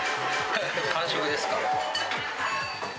完食ですか。